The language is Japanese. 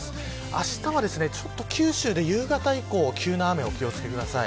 あしたは九州で夕方以降急な雨にお気を付けください。